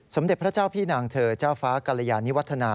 สมเด็จพระเจ้าพี่นางเธอเจ้าฟ้ากรยานิวัฒนา